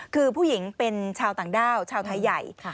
คือผู้หญิงเป็นชาวต่างด้าวชาวไทยใหญ่